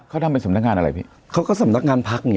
เขาทำเป็นสำนักงานอะไรพี่เขาก็สำนักงานพักไง